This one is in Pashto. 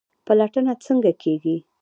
پلټنه څنګه کیږي؟